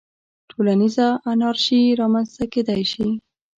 ټولنیزه انارشي رامنځته کېدای شي.